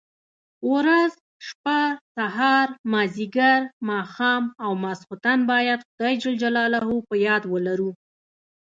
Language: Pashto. ورځ، شپه، سهار، ماځيګر، ماښام او ماخستن بايد خداى جل جلاله په ياد ولرو.